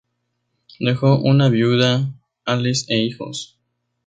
Dejó una viuda, Alice e hijos.